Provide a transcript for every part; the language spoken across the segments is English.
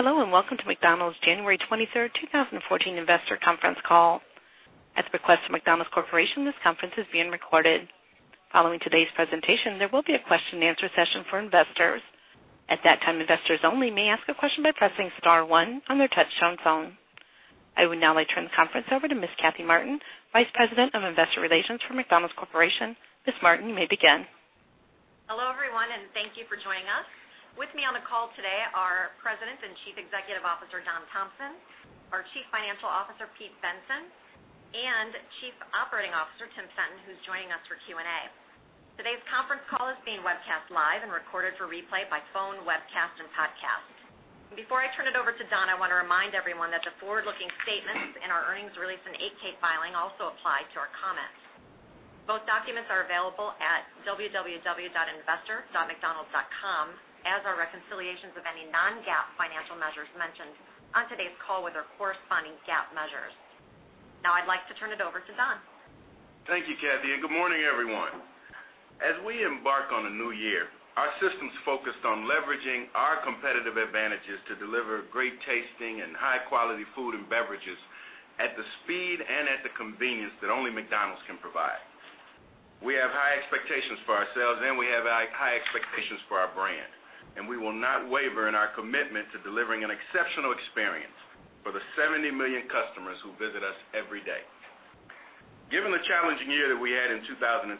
Hello, welcome to McDonald's January 23rd, 2014 investor conference call. At the request of McDonald's Corporation, this conference is being recorded. Following today's presentation, there will be a question and answer session for investors. At that time, investors only may ask a question by pressing star one on their touch-tone phone. I would now like to turn the conference over to Ms. Kathy Martin, Vice President of Investor Relations for McDonald's Corporation. Ms. Martin, you may begin. Hello, everyone, thank you for joining us. With me on the call today are President and Chief Executive Officer, Don Thompson, our Chief Financial Officer, Pete Bensen, and Chief Operating Officer, Tim Fenton, who's joining us for Q&A. Today's conference call is being webcast live and recorded for replay by phone, webcast, and podcast. Before I turn it over to Don, I want to remind everyone that the forward-looking statements in our earnings release and 8-K filing also apply to our comments. Both documents are available at www.investor.mcdonalds.com, as are reconciliations of any non-GAAP financial measures mentioned on today's call with their corresponding GAAP measures. I'd like to turn it over to Don. Thank you, Kathy, good morning, everyone. As we embark on a new year, our system's focused on leveraging our competitive advantages to deliver great-tasting and high-quality food and beverages at the speed and at the convenience that only McDonald's can provide. We have high expectations for ourselves, we have high expectations for our brand, and we will not waver in our commitment to delivering an exceptional experience for the 70 million customers who visit us every day. Given the challenging year that we had in 2013,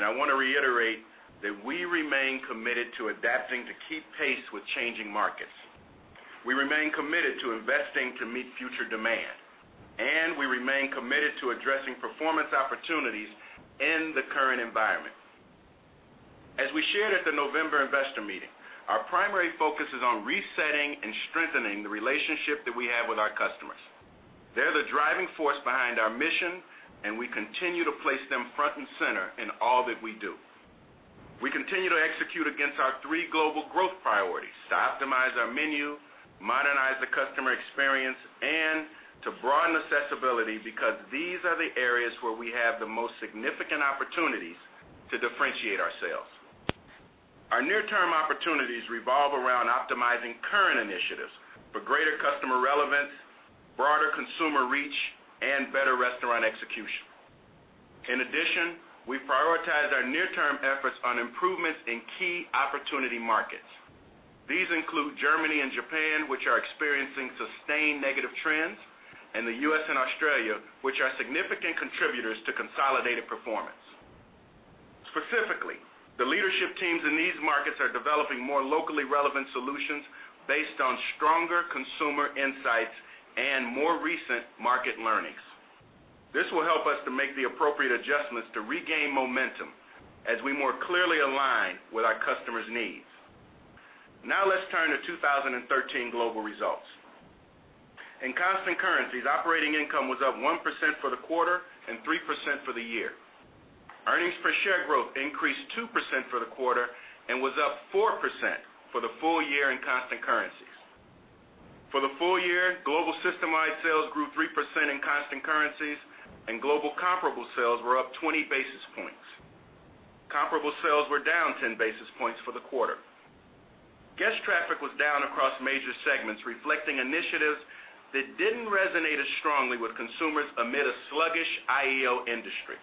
I want to reiterate that we remain committed to adapting to keep pace with changing markets. We remain committed to investing to meet future demand, and we remain committed to addressing performance opportunities in the current environment. As we shared at the November investor meeting, our primary focus is on resetting and strengthening the relationship that we have with our customers. They're the driving force behind our mission, we continue to place them front and center in all that we do. We continue to execute against our three global growth priorities to optimize our menu, modernize the customer experience, and to broaden accessibility because these are the areas where we have the most significant opportunities to differentiate ourselves. Our near-term opportunities revolve around optimizing current initiatives for greater customer relevance, broader consumer reach, and better restaurant execution. In addition, we prioritize our near-term efforts on improvements in key opportunity markets. These include Germany and Japan, which are experiencing sustained negative trends, and the U.S. and Australia, which are significant contributors to consolidated performance. Specifically, the leadership teams in these markets are developing more locally relevant solutions based on stronger consumer insights and more recent market learnings. This will help us to make the appropriate adjustments to regain momentum as we more clearly align with our customers' needs. Let's turn to 2013 global results. In constant currencies, operating income was up 1% for the quarter and 3% for the year. Earnings per share growth increased 2% for the quarter and was up 4% for the full year in constant currencies. For the full year, global system-wide sales grew 3% in constant currencies, and global comparable sales were up 20 basis points. Comparable sales were down 10 basis points for the quarter. Guest traffic was down across major segments, reflecting initiatives that didn't resonate as strongly with consumers amid a sluggish IEO industry.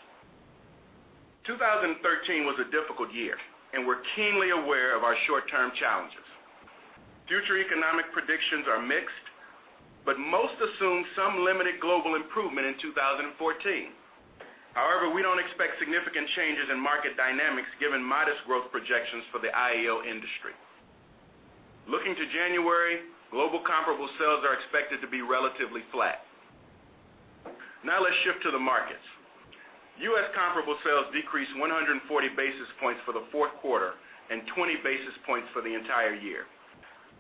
2013 was a difficult year. We're keenly aware of our short-term challenges. Future economic predictions are mixed, most assume some limited global improvement in 2014. We don't expect significant changes in market dynamics given modest growth projections for the IEO industry. Looking to January, global comparable sales are expected to be relatively flat. Let's shift to the markets. U.S. comparable sales decreased 140 basis points for the fourth quarter and 20 basis points for the entire year.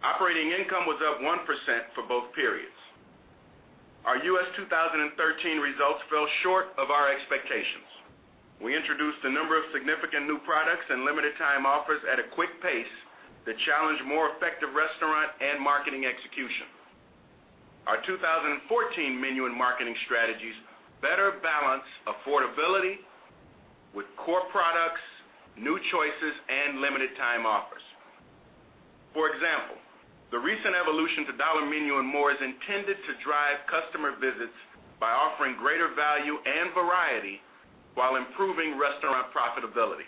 Operating income was up 1% for both periods. Our U.S. 2013 results fell short of our expectations. We introduced a number of significant new products and limited-time offers at a quick pace that challenged more effective restaurant and marketing execution. Our 2014 menu and marketing strategies better balance affordability with core products, new choices, and limited-time offers. For example, the recent evolution to Dollar Menu & More is intended to drive customer visits by offering greater value and variety while improving restaurant profitability.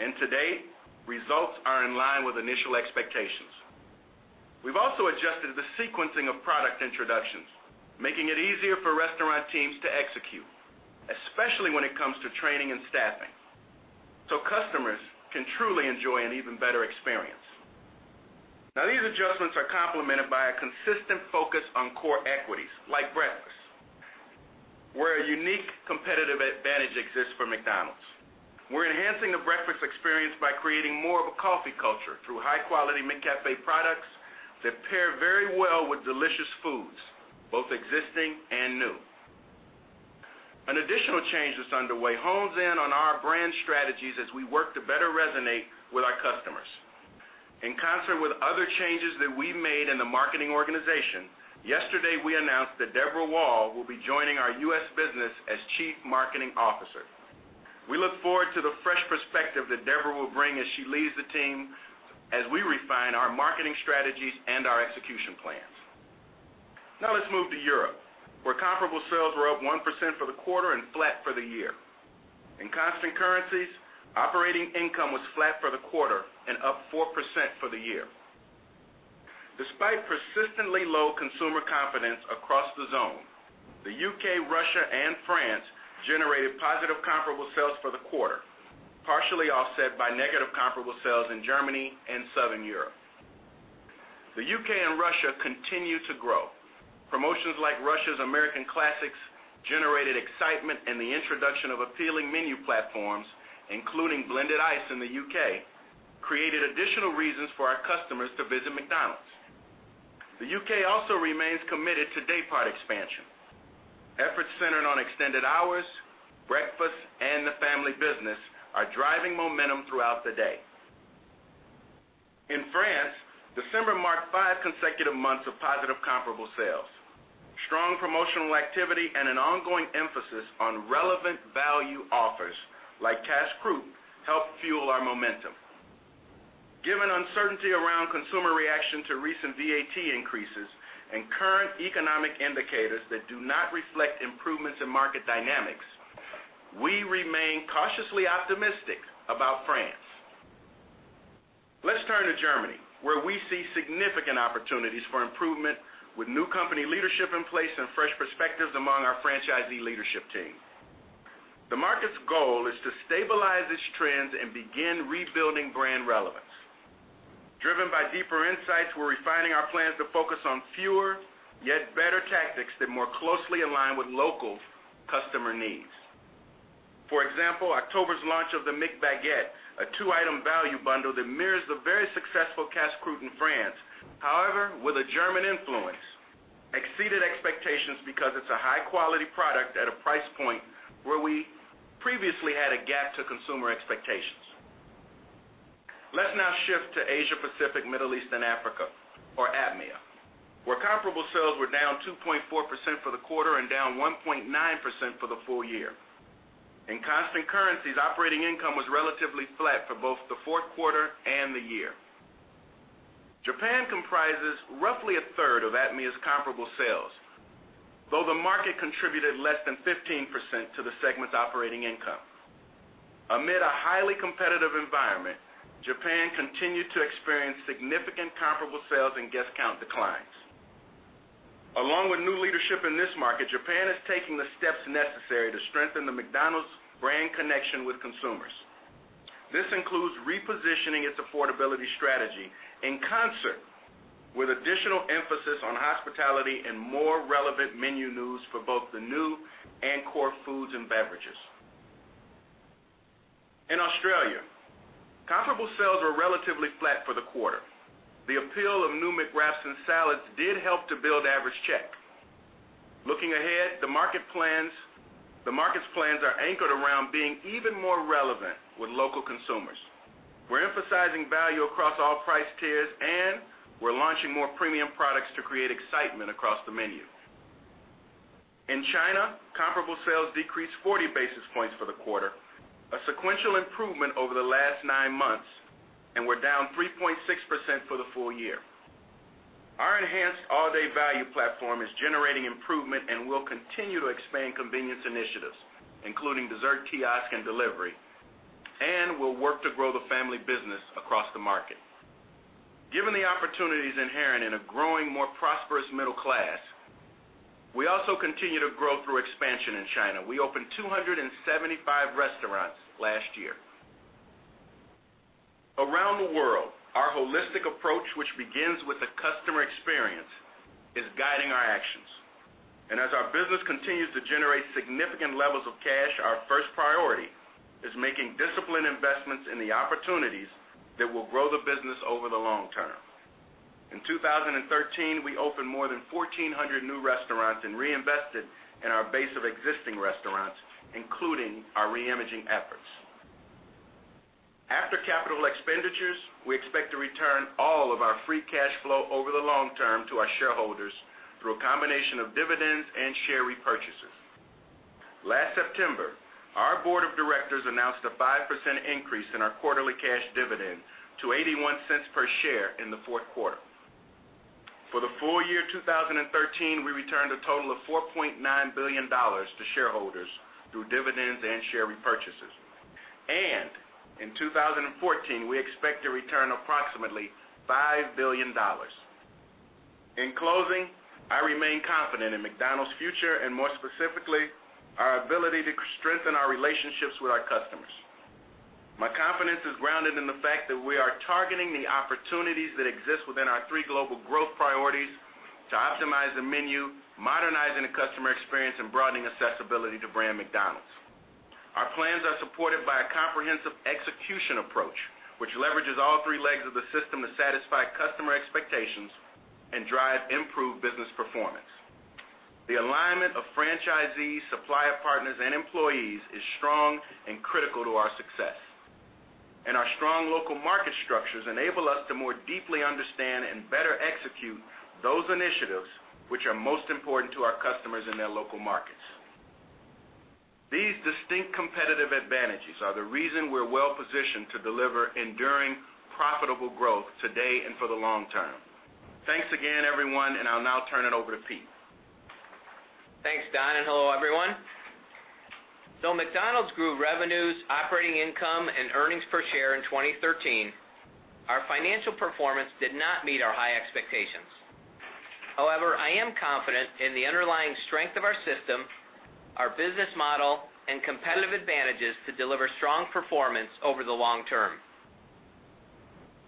To date, results are in line with initial expectations. We've also adjusted the sequencing of product introductions, making it easier for restaurant teams to execute, especially when it comes to training and staffing, customers can truly enjoy an even better experience. These adjustments are complemented by a consistent focus on core equities like breakfast, where a unique competitive advantage exists for McDonald's. We're enhancing the breakfast experience by creating more of a coffee culture through high-quality McCafé products that pair very well with delicious foods, both existing and new. An additional change that's underway hones in on our brand strategies as we work to better resonate with our customers. In concert with other changes that we made in the marketing organization, yesterday, we announced that Deborah Wahl will be joining our U.S. business as Chief Marketing Officer. We look forward to the fresh perspective that Deborah will bring as she leads the team, as we refine our marketing strategies and our execution plans. Let's move to Europe, where comparable sales were up 1% for the quarter and flat for the year. In constant currencies, operating income was flat for the quarter and up 4% for the year. Despite persistently low consumer confidence across the zone, the U.K., Russia, and France generated positive comparable sales for the quarter, partially offset by negative comparable sales in Germany and Southern Europe. The U.K. and Russia continue to grow. Promotions like Russia's American Classics generated excitement, the introduction of appealing menu platforms, including blended ice in the U.K., created additional reasons for our customers to visit McDonald's. The U.K. also remains committed to day part expansion. Efforts centered on extended hours, breakfast, and the family business are driving momentum throughout the day. In France, December marked five consecutive months of positive comparable sales. Strong promotional activity and an ongoing emphasis on relevant value offers like Casse-Croûte helped fuel our momentum. Given uncertainty around consumer reaction to recent VAT increases and current economic indicators that do not reflect improvements in market dynamics, we remain cautiously optimistic about France. Let's turn to Germany, where we see significant opportunities for improvement with new company leadership in place and fresh perspectives among our franchisee leadership team. The market's goal is to stabilize its trends and begin rebuilding brand relevance. Driven by deeper insights, we're refining our plans to focus on fewer, yet better tactics that more closely align with local customer needs. For example, October's launch of the McBaguette, a two-item value bundle that mirrors the very successful Casse-Croûte in France, however, with a German influence, exceeded expectations because it's a high-quality product at a price point where we previously had a gap to consumer expectations. Let's now shift to Asia Pacific, Middle East, and Africa, or APMEA, where comparable sales were down 2.4% for the quarter and down 1.9% for the full year. In constant currencies, operating income was relatively flat for both the fourth quarter and the year. Japan comprises roughly a third of APMEA's comparable sales, though the market contributed less than 15% to the segment's operating income. Amid a highly competitive environment, Japan continued to experience significant comparable sales and guest count declines. Along with new leadership in this market, Japan is taking the steps necessary to strengthen the McDonald's brand connection with consumers. This includes repositioning its affordability strategy in concert with additional emphasis on hospitality and more relevant menu news for both the new and core foods and beverages. In Australia, comparable sales were relatively flat for the quarter. The appeal of new McWraps and salads did help to build average check. Looking ahead, the market's plans are anchored around being even more relevant with local consumers. We're emphasizing value across all price tiers, and we're launching more premium products to create excitement across the menu. In China, comparable sales decreased 40 basis points for the quarter, a sequential improvement over the last nine months, and we're down 3.6% for the full year. Our enhanced all-day value platform is generating improvement and will continue to expand convenience initiatives, including dessert kiosk and delivery, and we'll work to grow the family business across the market. Given the opportunities inherent in a growing, more prosperous middle class, we also continue to grow through expansion in China. We opened 275 restaurants last year. Around the world, our holistic approach, which begins with the customer experience, is guiding our actions. As our business continues to generate significant levels of cash, our first priority is making disciplined investments in the opportunities that will grow the business over the long term. In 2013, we opened more than 1,400 new restaurants and reinvested in our base of existing restaurants, including our re-imaging efforts. After capital expenditures, we expect to return all of our free cash flow over the long term to our shareholders through a combination of dividends and share repurchases. Last September, our board of directors announced a 5% increase in our quarterly cash dividend to $0.81 per share in the fourth quarter. For the full year 2013, we returned a total of $4.9 billion to shareholders through dividends and share repurchases. In 2014, we expect to return approximately $5 billion. In closing, I remain confident in McDonald's future and more specifically, our ability to strengthen our relationships with our customers. My confidence is grounded in the fact that we are targeting the opportunities that exist within our three global growth priorities to optimize the menu, modernizing the customer experience, and broadening accessibility to brand McDonald's. Our plans are supported by a comprehensive execution approach, which leverages all three legs of the system to satisfy customer expectations and drive improved business performance. The alignment of franchisees, supplier partners, and employees is strong and critical to our success. Local market structures enable us to more deeply understand and better execute those initiatives which are most important to our customers in their local markets. Thanks again, everyone, and I'll now turn it over to Pete. Thanks, Don, and hello, everyone. McDonald's grew revenues, operating income, and earnings per share in 2013. Our financial performance did not meet our high expectations. However, I am confident in the underlying strength of our system, our business model, and competitive advantages to deliver strong performance over the long term.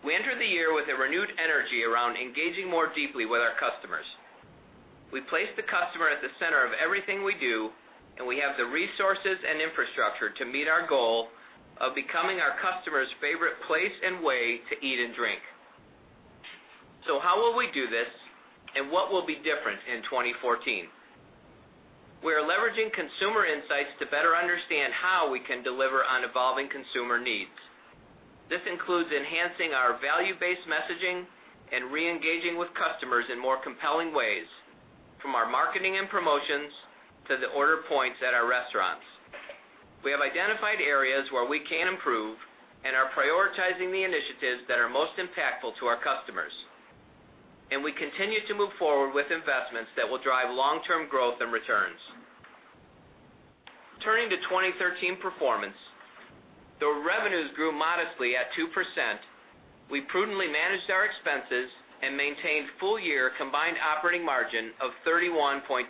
We enter the year with a renewed energy around engaging more deeply with our customers. We place the customer at the center of everything we do, and we have the resources and infrastructure to meet our goal of becoming our customers' favorite place and way to eat and drink. How will we do this, and what will be different in 2014? We're leveraging consumer insights to better understand how we can deliver on evolving consumer needs. This includes enhancing our value-based messaging and re-engaging with customers in more compelling ways, from our marketing and promotions to the order points at our restaurants. We have identified areas where we can improve and are prioritizing the initiatives that are most impactful to our customers. We continue to move forward with investments that will drive long-term growth and returns. Turning to 2013 performance, though revenues grew modestly at 2%, we prudently managed our expenses and maintained full-year combined operating margin of 31.2%.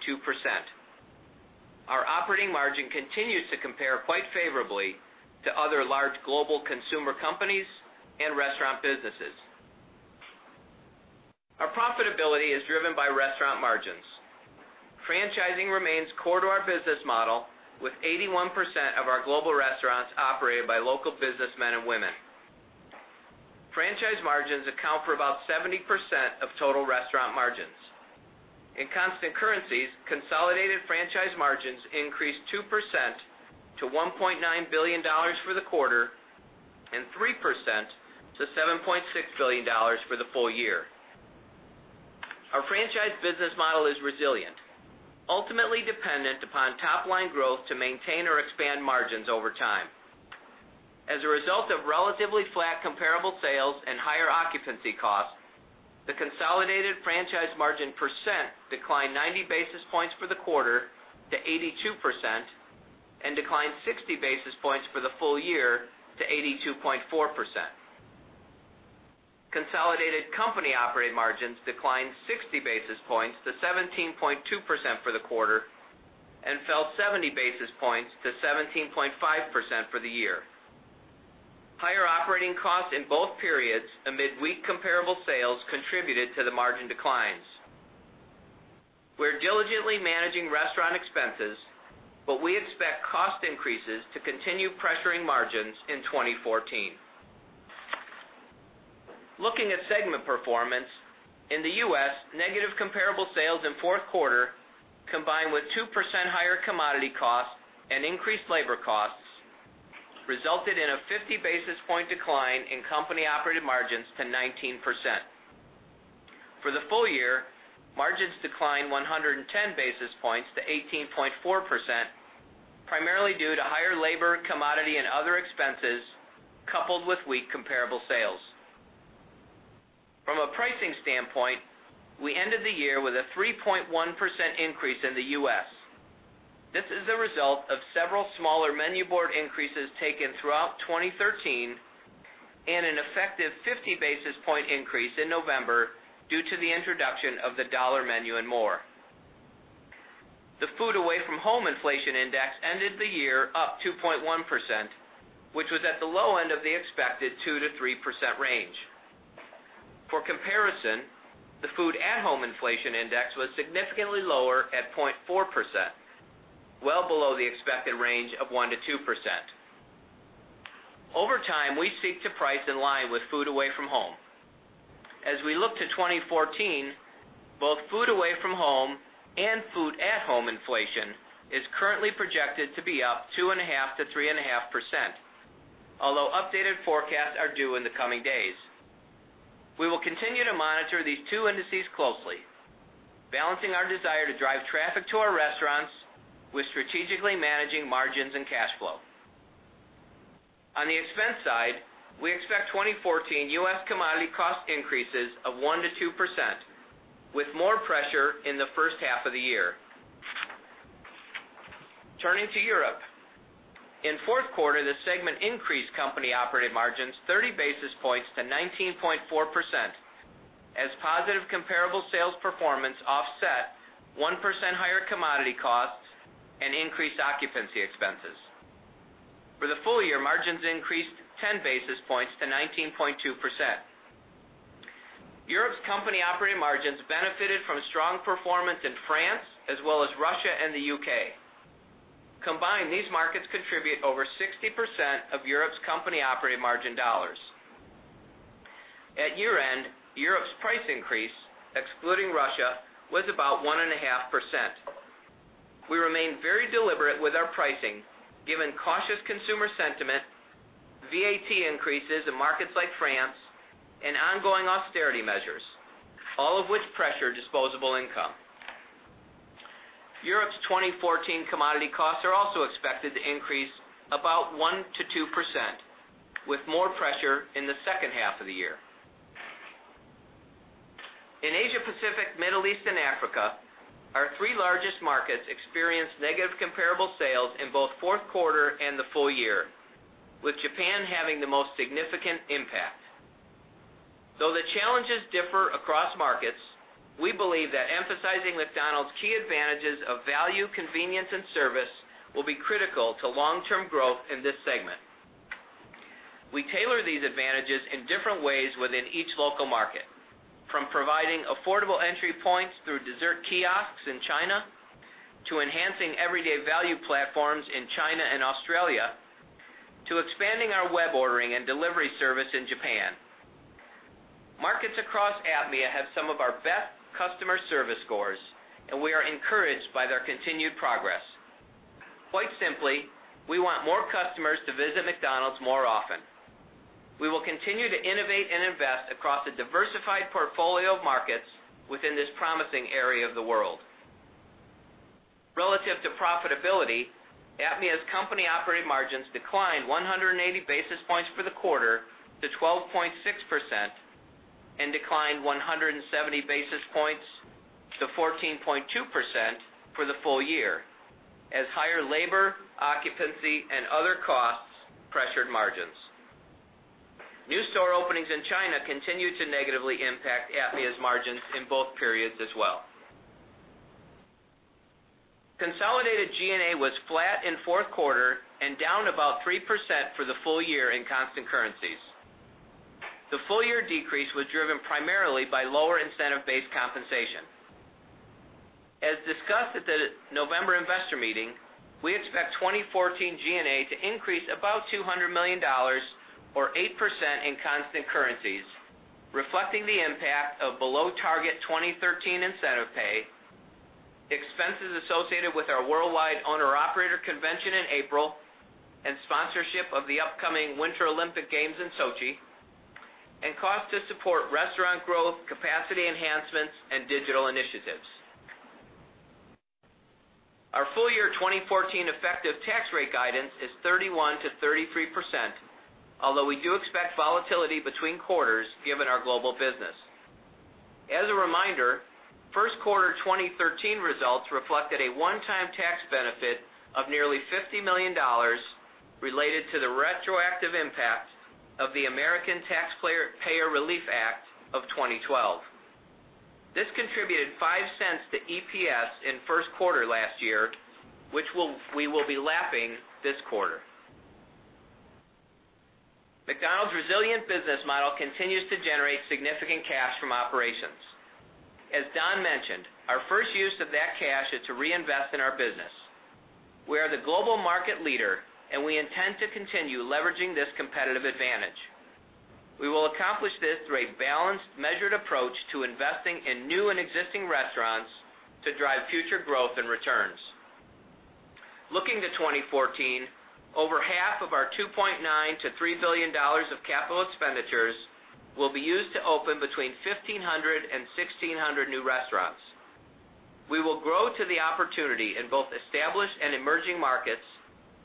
Our operating margin continues to compare quite favorably to other large global consumer companies and restaurant businesses. Our profitability is driven by restaurant margins. Franchising remains core to our business model, with 81% of our global restaurants operated by local businessmen and women. Franchise margins account for about 70% of total restaurant margins. In constant currencies, consolidated franchise margins increased 2% to $1.9 billion for the quarter and 3% to $7.6 billion for the full year. Our franchise business model is resilient, ultimately dependent upon top-line growth to maintain or expand margins over time. As a result of relatively flat comparable sales and higher occupancy costs, the consolidated franchise margin percent declined 90 basis points for the quarter to 82% and declined 60 basis points for the full year to 82.4%. Consolidated company-operated margins declined 60 basis points to 17.2% for the quarter and fell 70 basis points to 17.5% for the year. Higher operating costs in both periods amid weak comparable sales contributed to the margin declines. We're diligently managing restaurant expenses, but we expect cost increases to continue pressuring margins in 2014. Looking at segment performance, in the U.S., negative comparable sales in fourth quarter, combined with 2% higher commodity costs and increased labor costs, resulted in a 50 basis point decline in company-operated margins to 19%. For the full year, margins declined 110 basis points to 18.4%, primarily due to higher labor, commodity, and other expenses, coupled with weak comparable sales. From a pricing standpoint, we ended the year with a 3.1% increase in the U.S. This is a result of several smaller menu board increases taken throughout 2013 and an effective 50 basis point increase in November due to the introduction of the Dollar Menu & More. The food away from home inflation index ended the year up 2.1%, which was at the low end of the expected 2%-3% range. For comparison, the food at home inflation index was significantly lower at 0.4%, well below the expected range of 1%-2%. Over time, we seek to price in line with food away from home. As we look to 2014, both food away from home and food at home inflation is currently projected to be up 2.5%-3.5%, although updated forecasts are due in the coming days. We will continue to monitor these two indices closely, balancing our desire to drive traffic to our restaurants with strategically managing margins and cash flow. On the expense side, we expect 2014 U.S. commodity cost increases of 1%-2%, with more pressure in the first half of the year. Turning to Europe, in fourth quarter, the segment increased company-operated margins 30 basis points to 19.4% as positive comparable sales performance offset 1% higher commodity costs and increased occupancy expenses. For the full year, margins increased 10 basis points to 19.2%. Europe's company-operated margins benefited from strong performance in France as well as Russia and the U.K. Combined, these markets contribute over 60% of Europe's company-operated margin dollars. At year-end, Europe's price increase, excluding Russia, was about 1.5%. We remain very deliberate with our pricing, given cautious consumer sentiment, VAT increases in markets like France, and ongoing austerity measures, all of which pressure disposable income. Europe's 2014 commodity costs are also expected to increase about 1%-2%, with more pressure in the second half of the year. In Asia Pacific, Middle East, and Africa, our three largest markets experienced negative comparable sales in both fourth quarter and the full year, with Japan having the most significant impact. Though the challenges differ across markets, we believe that emphasizing McDonald's key advantages of value, convenience, and service will be critical to long-term growth in this segment. We tailor these advantages in different ways within each local market, from providing affordable entry points through dessert kiosks in China, to enhancing everyday value platforms in China and Australia, to expanding our web ordering and delivery service in Japan. Markets across APMEA have some of our best customer service scores, and we are encouraged by their continued progress. Quite simply, we want more customers to visit McDonald's more often. We will continue to innovate and invest across a diversified portfolio of markets within this promising area of the world. Relative to profitability, APMEA's company operating margins declined 180 basis points for the quarter to 12.6% and declined 170 basis points to 14.2% for the full year as higher labor, occupancy, and other costs pressured margins. Consolidated G&A was flat in fourth quarter and down about 3% for the full year in constant currencies. The full-year decrease was driven primarily by lower incentive-based compensation. As discussed at the November investor meeting, we expect 2014 G&A to increase about $200 million, or 8%, in constant currencies, reflecting the impact of below-target 2013 incentive pay, expenses associated with our worldwide owner-operator convention in April, and sponsorship of the upcoming Winter Olympic Games in Sochi, and costs to support restaurant growth, capacity enhancements, and digital initiatives. Our full-year 2014 effective tax rate guidance is 31%-33%, although we do expect volatility between quarters given our global business. As a reminder, first quarter 2013 results reflected a one-time tax benefit of nearly $50 million related to the retroactive impact of the American Taxpayer Relief Act of 2012. This contributed $0.05 to EPS in first quarter last year, which we will be lapping this quarter. McDonald's resilient business model continues to generate significant cash from operations. As Don mentioned, our first use of that cash is to reinvest in our business. We are the global market leader, and we intend to continue leveraging this competitive advantage. We will accomplish this through a balanced, measured approach to investing in new and existing restaurants to drive future growth and returns. Looking to 2014, over half of our $2.9 billion-$3 billion of capital expenditures will be used to open between 1,500 and 1,600 new restaurants. We will grow to the opportunity in both established and emerging markets,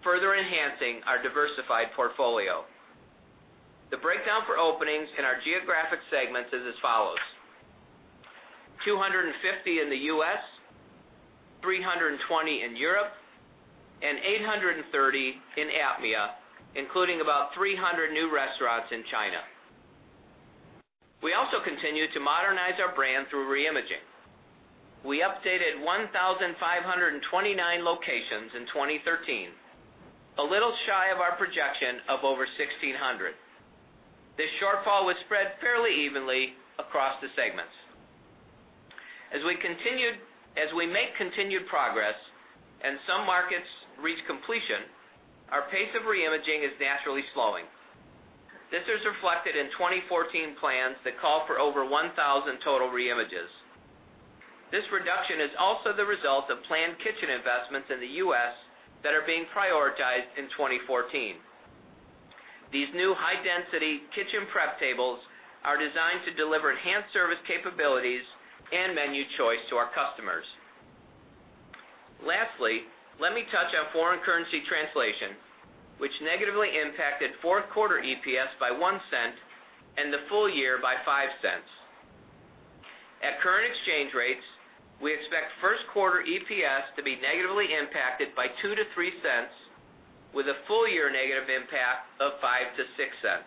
further enhancing our diversified portfolio. The breakdown for openings in our geographic segments is as follows: 250 in the U.S., 320 in Europe, and 830 in APMEA, including about 300 new restaurants in China. We also continue to modernize our brand through reimaging. We updated 1,529 locations in 2013, a little shy of our projection of over 1,600. This shortfall was spread fairly evenly across the segments. As we make continued progress and some markets reach completion, our pace of reimaging is naturally slowing. This is reflected in 2014 plans that call for over 1,000 total reimages. This reduction is also the result of planned kitchen investments in the U.S. that are being prioritized in 2014. These new high-density kitchen prep tables are designed to deliver enhanced service capabilities and menu choice to our customers. Lastly, let me touch on foreign currency translation, which negatively impacted fourth quarter EPS by $0.01 and the full year by $0.05. At current exchange rates, we expect first quarter EPS to be negatively impacted by $0.02-$0.03, with a full-year negative impact of $0.05-$0.06.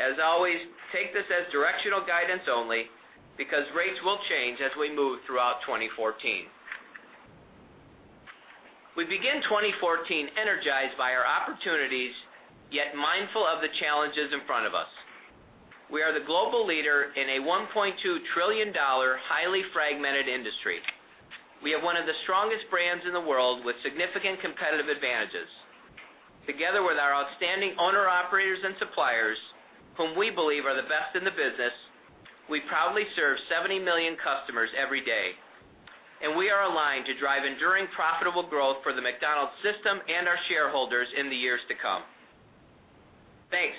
As always, take this as directional guidance only, because rates will change as we move throughout 2014. We begin 2014 energized by our opportunities, yet mindful of the challenges in front of us. We are the global leader in a $1.2 trillion highly fragmented industry. We have one of the strongest brands in the world with significant competitive advantages. Together with our outstanding owner-operators and suppliers, whom we believe are the best in the business, we proudly serve 70 million customers every day. We are aligned to drive enduring profitable growth for the McDonald’s system and our shareholders in the years to come. Thanks.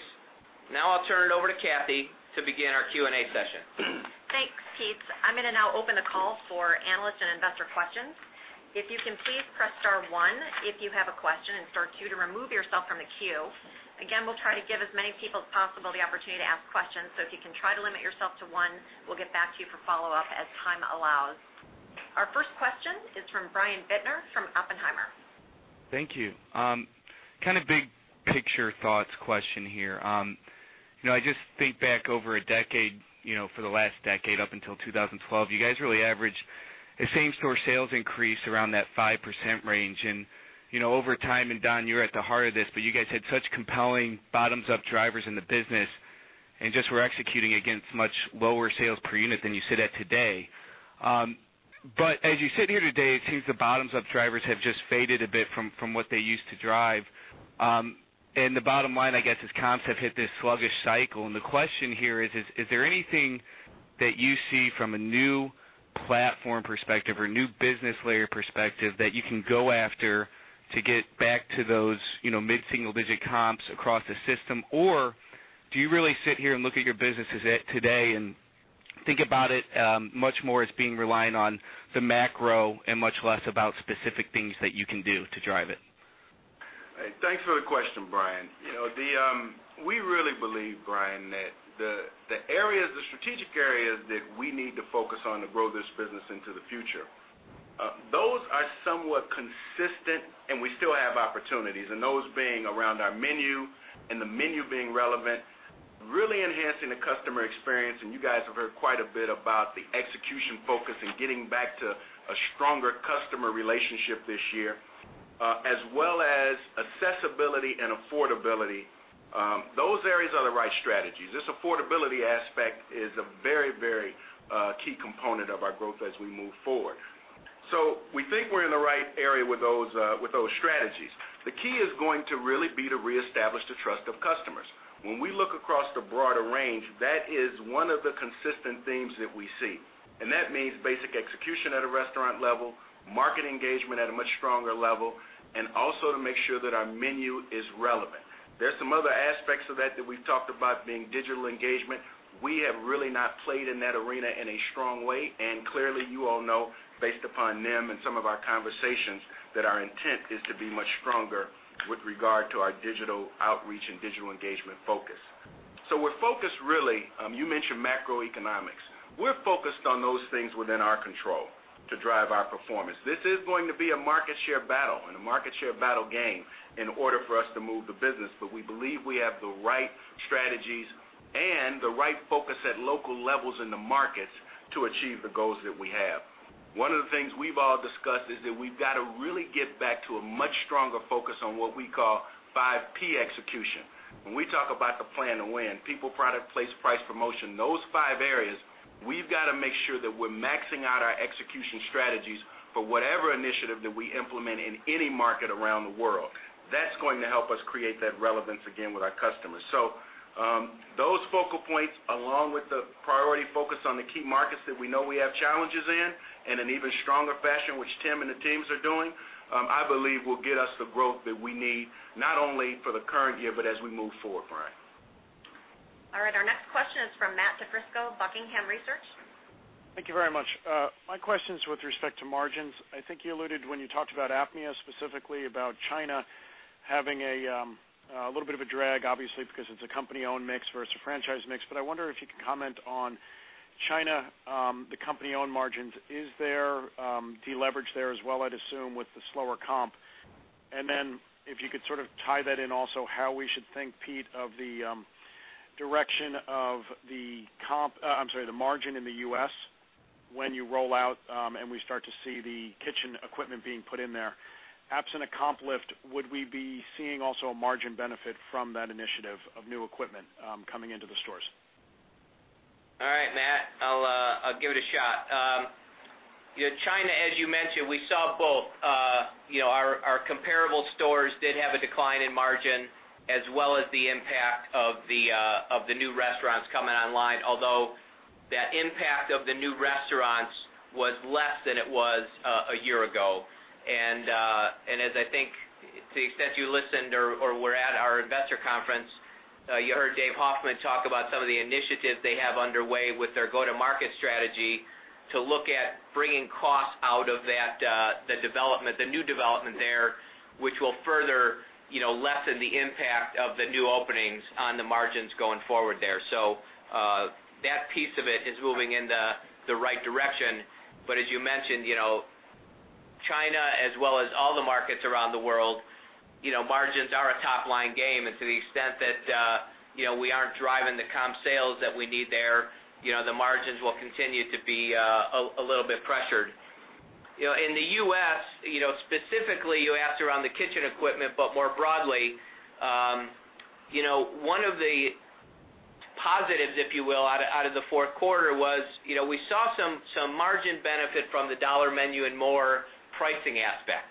Now I’ll turn it over to Kathy to begin our Q&A session. Thanks, Pete. I’m going to now open the call for analyst and investor questions. If you can please press star one if you have a question, and star two to remove yourself from the queue. Again, we’ll try to give as many people as possible the opportunity to ask questions, so if you can try to limit yourself to one, we’ll get back to you for follow-up as time allows. Our first question is from Brian Bittner from Oppenheimer. Thank you. Kind of big picture thoughts question here. I just think back over a decade, for the last decade up until 2012, you guys really averaged a same-store sales increase around that 5% range. Over time, Don, you were at the heart of this, but you guys had such compelling bottoms-up drivers in the business and just were executing against much lower sales per unit than you sit at today. As you sit here today, it seems the bottoms-up drivers have just faded a bit from what they used to drive. The bottom line, I guess, is comps have hit this sluggish cycle. The question here is: Is there anything that you see from a new platform perspective or new business layer perspective that you can go after to get back to those mid-single-digit comps across the system? Do you really sit here and look at your business as at today and think about it much more as being reliant on the macro and much less about specific things that you can do to drive it? Thanks for the question, Brian. We really believe, Brian, that the strategic areas that we need to focus on to grow this business into the future, those are somewhat consistent and we still have opportunities. Those being around our menu and the menu being relevant, really enhancing the customer experience, and you guys have heard quite a bit about the execution focus and getting back to a stronger customer relationship this year, as well as accessibility and affordability. Those areas are the right strategies. This affordability aspect is a very key component of our growth as we move forward. We think we're in the right area with those strategies. The key is going to really be to reestablish the trust of customers. When we look across the broader range, that is one of the consistent themes that we see. That means basic execution at a restaurant level, market engagement at a much stronger level, and also to make sure that our menu is relevant. There are some other aspects of that we've talked about being digital engagement. We have really not played in that arena in a strong way. Clearly, you all know, based upon them and some of our conversations, that our intent is to be much stronger with regard to our digital outreach and digital engagement focus. We're focused really, you mentioned macroeconomics. We're focused on those things within our control to drive our performance. This is going to be a market share battle and a market share battle game in order for us to move the business. We believe we have the right strategies and the right focus at local levels in the markets to achieve the goals that we have. One of the things we've all discussed is that we've got to really get back to a much stronger focus on what we call five P execution. When we talk about the Plan to Win, people, product, place, price, promotion, those five areas, we've got to make sure that we're maxing out our execution strategies for whatever initiative that we implement in any market around the world. That's going to help us create that relevance again with our customers. Those focal points, along with the priority focus on the key markets that we know we have challenges in an even stronger fashion, which Tim and the teams are doing, I believe will get us the growth that we need, not only for the current year but as we move forward, Brian. All right. Our next question is from Matt DiFrisco, Buckingham Research. Thank you very much. My question is with respect to margins. I think you alluded when you talked about APMEA, specifically about China having a little bit of a drag, obviously, because it's a company-owned mix versus a franchise mix. I wonder if you could comment on China, the company-owned margins. Is there de-leverage there as well, I'd assume, with the slower comp? Then if you could sort of tie that in also how we should think, Pete, of the direction of the margin in the U.S. when you roll out and we start to see the kitchen equipment being put in there. Absent a comp lift, would we be seeing also a margin benefit from that initiative of new equipment coming into the stores? All right, Matt, I'll give it a shot. China, as you mentioned, we saw both. Our comparable stores did have a decline in margin as well as the impact of the new restaurants coming online, although that impact of the new restaurants was less than it was a year ago. As I think to the extent you listened or were at our investor conference, you heard Dave Hoffman talk about some of the initiatives they have underway with their go-to-market strategy to look at bringing costs out of the new development there, which will further lessen the impact of the new openings on the margins going forward there. That piece of it is moving in the right direction. As you mentioned, China as well as all the markets around the world, margins are a top-line game. To the extent that we aren't driving the comp sales that we need there, the margins will continue to be a little bit pressured. In the U.S., specifically, you asked around the kitchen equipment, but more broadly, one of the positives, if you will, out of the fourth quarter was we saw some margin benefit from the Dollar Menu & More pricing aspect.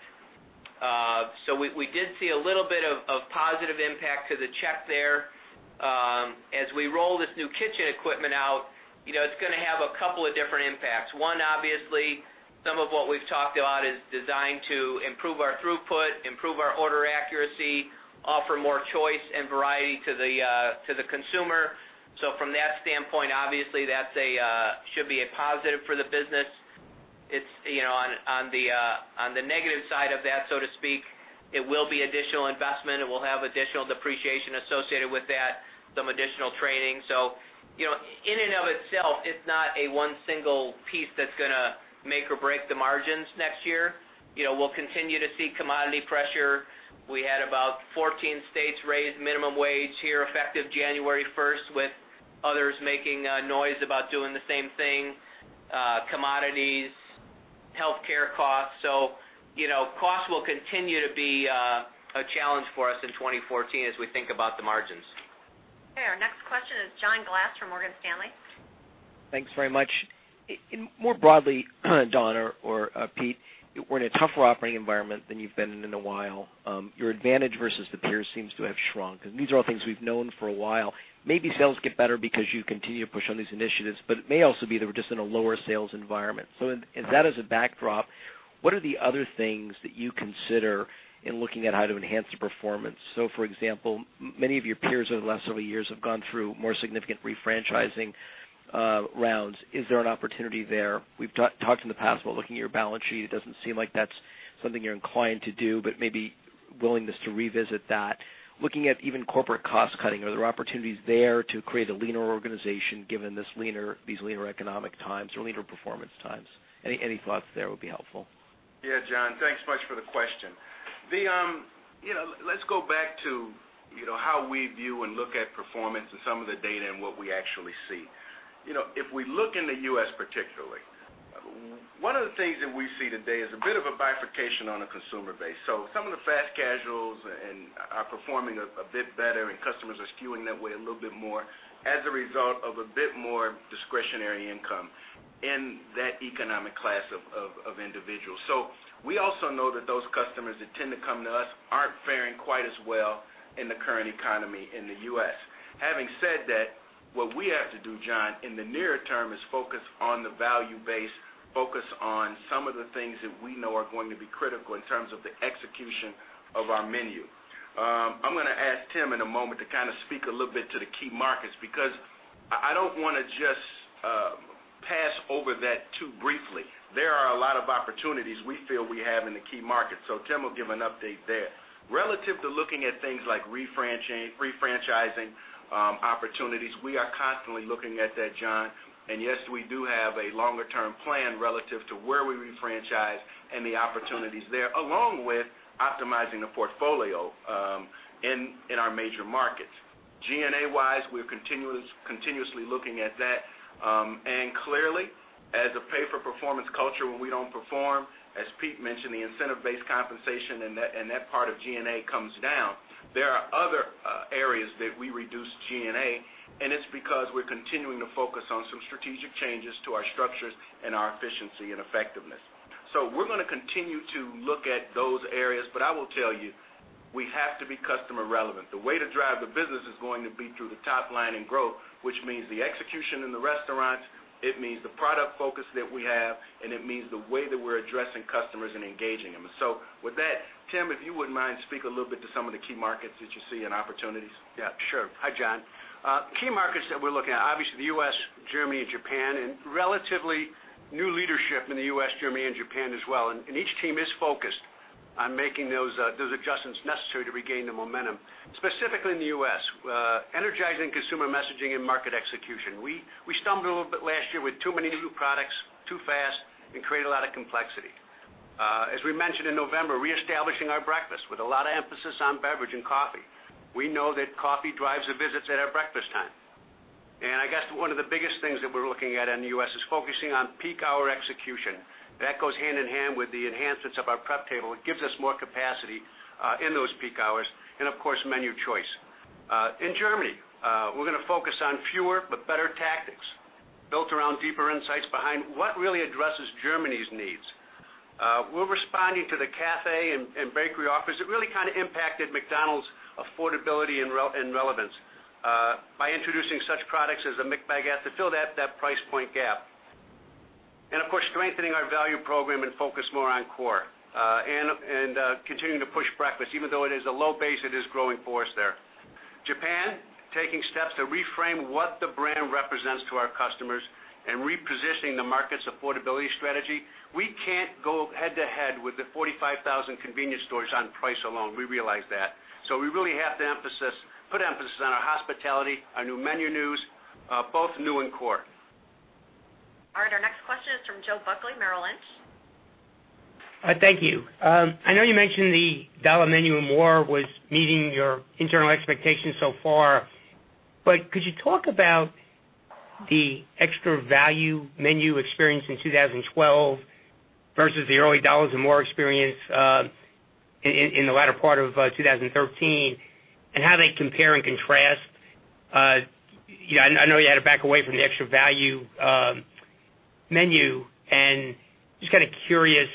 We did see a little bit of positive impact to the check there. As we roll this new kitchen equipment out, it's going to have a couple of different impacts. One, obviously, some of what we've talked about is designed to improve our throughput, improve our order accuracy, offer more choice and variety to the consumer. From that standpoint, obviously, that should be a positive for the business. On the negative side of that, so to speak, it will be additional investment, it will have additional depreciation associated with that, some additional training. In and of itself, it's not a one single piece that's going to make or break the margins next year. We'll continue to see commodity pressure. We had about 14 states raise minimum wage here effective January 1st, with others making noise about doing the same thing, commodities, healthcare costs. Costs will continue to be a challenge for us in 2014 as we think about the margins. Okay, our next question is John Glass from Morgan Stanley. Thanks very much. More broadly, Don or Pete, we're in a tougher operating environment than you've been in a while. Your advantage versus the peers seems to have shrunk, these are all things we've known for a while. Maybe sales get better because you continue to push on these initiatives, it may also be that we're just in a lower sales environment. With that as a backdrop, what are the other things that you consider in looking at how to enhance the performance? For example, many of your peers over the last several years have gone through more significant refranchising rounds. Is there an opportunity there? We've talked in the past about looking at your balance sheet. It doesn't seem like that's something you're inclined to do, but maybe willingness to revisit that. Looking at even corporate cost-cutting, are there opportunities there to create a leaner organization given these leaner economic times or leaner performance times? Any thoughts there would be helpful. Yeah, John, thanks much for the question. Let's go back to how we view and look at performance and some of the data and what we actually see. If we look in the U.S. particularly, one of the things that we see today is a bit of a bifurcation on a consumer base. Some of the fast casuals are performing a bit better, and customers are skewing that way a little bit more as a result of a bit more discretionary income in that economic class of individuals. We also know that those customers that tend to come to us aren't faring quite as well in the current economy in the U.S. Having said that, what we have to do, John, in the near term, is focus on the value base, focus on some of the things that we know are going to be critical in terms of the execution of our menu. I'm going to ask Tim in a moment to speak a little bit to the key markets, because I don't want to just pass over that too briefly. There are a lot of opportunities we feel we have in the key markets. Tim will give an update there. Relative to looking at things like refranchising opportunities, we are constantly looking at that, John, and yes, we do have a longer-term plan relative to where we refranchise and the opportunities there, along with optimizing the portfolio in our major markets. G&A-wise, we're continuously looking at that. Clearly, as a pay-for-performance culture, when we don't perform, as Pete mentioned, the incentive-based compensation and that part of G&A comes down. There are other areas that we reduce G&A. It's because we're continuing to focus on some strategic changes to our structures and our efficiency and effectiveness. We're going to continue to look at those areas, but I will tell you, we have to be customer relevant. The way to drive the business is going to be through the top line and growth, which means the execution in the restaurants, it means the product focus that we have, and it means the way that we're addressing customers and engaging them. With that, Tim, if you wouldn't mind, speak a little bit to some of the key markets that you see and opportunities. Yeah, sure. Hi, John. Key markets that we're looking at, obviously, the U.S., Germany, and Japan. Relatively new leadership in the U.S., Germany, and Japan as well. Each team is focused on making those adjustments necessary to regain the momentum. Specifically in the U.S., energizing consumer messaging and market execution. We stumbled a little bit last year with too many new products too fast and created a lot of complexity. As we mentioned in November, reestablishing our breakfast with a lot of emphasis on beverage and coffee. We know that coffee drives the visits at our breakfast time. I guess one of the biggest things that we're looking at in the U.S. is focusing on peak hour execution. That goes hand in hand with the enhancements of our prep table. It gives us more capacity in those peak hours and of course, menu choice. In Germany, we're going to focus on fewer but better tactics built around deeper insights behind what really addresses Germany's needs. We're responding to the cafe and bakery offers. It really kind of impacted McDonald's affordability and relevance by introducing such products as the McBaguette to fill that price point gap. Of course, strengthening our value program and focus more on core, and continuing to push breakfast. Even though it is a low base, it is growing for us there. Japan, taking steps to reframe what the brand represents to our customers and repositioning the market's affordability strategy. We can't go head to head with the 45,000 convenience stores on price alone. We realize that. We really have to put emphasis on our hospitality, our new menu news, both new and core. All right. Our next question is from Joe Buckley, Merrill Lynch. Thank you. I know you mentioned the Dollar Menu & More was meeting your internal expectations so far. Could you talk about the Extra Value Menu experience in 2012 versus the early Dollar Menu & More experience in the latter part of 2013, and how they compare and contrast? I know you had to back away from the Extra Value Menu. Just kind of curious,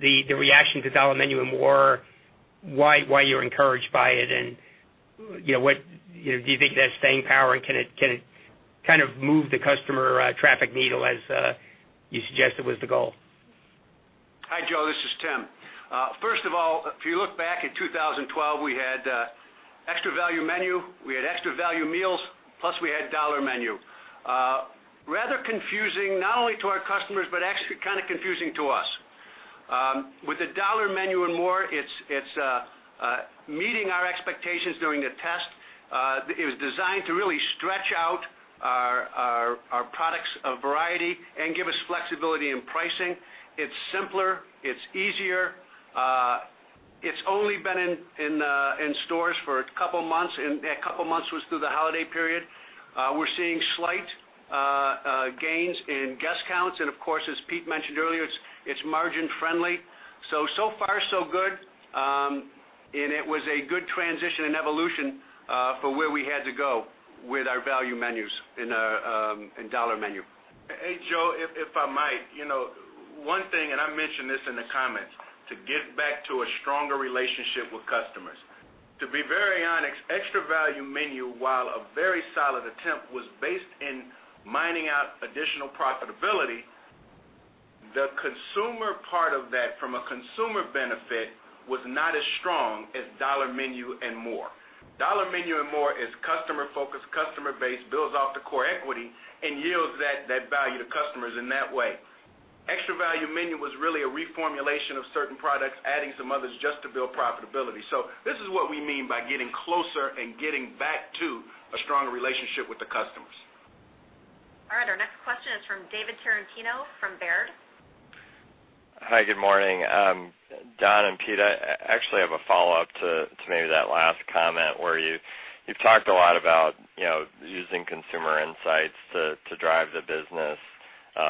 the reaction to Dollar Menu & More, why you're encouraged by it, and do you think it has staying power, and can it kind of move the customer traffic needle as you suggested was the goal? Hi, Joe, this is Tim. First of all, if you look back at 2012, we had Extra Value Menu, we had Extra Value Meals, plus we had Dollar Menu. Rather confusing, not only to our customers, but actually kind of confusing to us. With the Dollar Menu & More, it's meeting our expectations during the test. It was designed to really stretch out our products of variety and give us flexibility in pricing. It's simpler. It's easier. It's only been in stores for a couple of months, and a couple of months was through the holiday period. We're seeing slight gains in guest counts. Of course, as Pete mentioned earlier, it's margin friendly. So far so good. It was a good transition and evolution for where we had to go with our value menus and Dollar Menu. Hey, Joe, if I might. One thing, and I mentioned this in the comments, to get back to a stronger relationship with customers. To be very honest, Extra Value Menu, while a very solid attempt, was based in mining out additional profitability. The consumer part of that from a consumer benefit was not as strong as Dollar Menu & More. Dollar Menu & More is customer focused, customer based, builds off the core equity, and yields that value to customers in that way. Extra Value Menu was really a reformulation of certain products, adding some others just to build profitability. This is what we mean by getting closer and getting back to a stronger relationship with the customers. Our next question is from David Tarantino from Baird. Hi, good morning. Don and Pete, I actually have a follow-up to maybe that last comment where you've talked a lot about using consumer insights to drive the business